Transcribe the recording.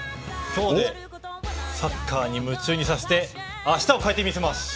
今日でサッカーに夢中にさせてあしたを変えてみせます！